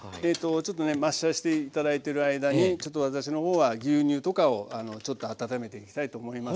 ちょっとねマッシャーして頂いてる間にちょっと私の方は牛乳とかをちょっと温めていきたいと思います。